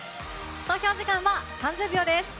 投票時間は３０秒です。